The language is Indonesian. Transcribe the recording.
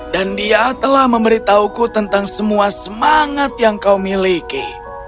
dan dia telah memberitahuku tentang semua semangat yang kau miliki